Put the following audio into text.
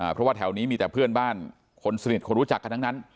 เพราะว่าแถวนี้มีแต่เพื่อนบ้านคนสนิทคนรู้จักกันทั้งนั้น